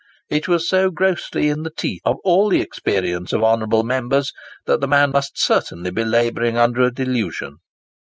It was so grossly in the teeth of all the experience of honourable members, that the man "must certainly be labouring under a delusion!"